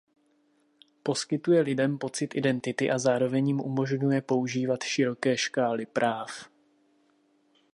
Poskytuje lidem pocit identity a zároveň jim umožňuje používat široké škály práv.